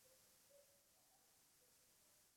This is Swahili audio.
Kutetemeka na kutafuta mahali penye kivuli